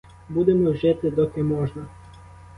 Будемо жити, доки можна.